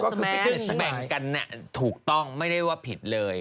ก็คือแบ่งกันถูกต้องไม่ได้ว่าผิดเลย